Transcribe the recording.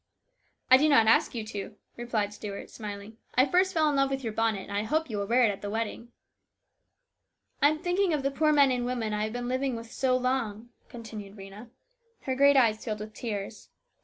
" I do not ask you to," replied Stuart, smiling. " I first fell in love with your bonnet, and I hope you will wear it at the wedding.' 280 HIS BROTHER'S KEEPER. " I am thinking of the poor men and women I have been living with so long," continued Rhena. Her great eyes rilled with tears.